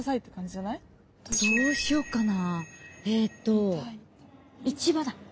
どうしようかな。